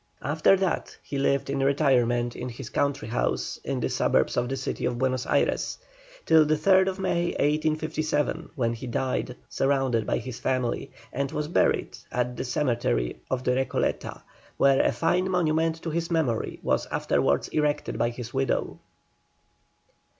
After that he lived in retirement at his country house in the suburbs of the city of Buenos Ayres, till the 3rd May, 1857, when he died, surrounded by his family, and was buried at the cemetery of the Recoleta, where a fine monument to his memory was afterwards erected by his widow.